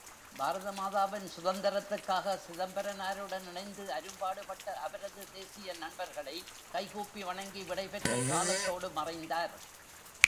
பாரதமாதாவின் சுதந்தரத்துக்காக சிதம்பரனாருடன் இணைந்து அரும்பாடுபட்ட அவரது தேசிய நண்பர்களை கைகூப்பி வணங்கி விடைபெற்றுக் காலத்தோடு மறைந்தார்.